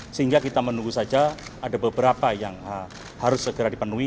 sehingga kita menunggu saja ada beberapa yang harus segera dipenuhi